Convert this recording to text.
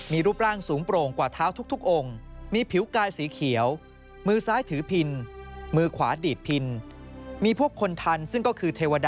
มีรูปร่างสูงโปร่งกว่าท้าวทุกองค์